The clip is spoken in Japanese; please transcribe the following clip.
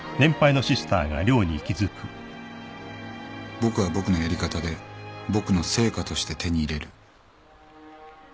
「僕は僕のやり方で僕の成果として手に入れる」